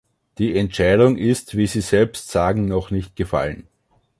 Die Entscheidung ist wie Sie selbst sagen noch nicht gefallen.